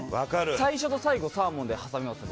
最初と最後サーモンで挟みます。